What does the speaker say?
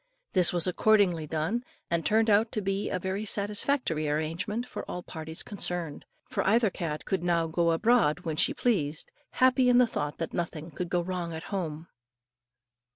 This was accordingly done, and turned out to be a very satisfactory arrangement for all parties concerned; for either cat could now go abroad when she pleased, happy in the thought that nothing could go wrong at home.